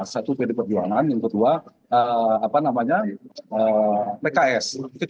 satu pd perjuangan yang kedua pks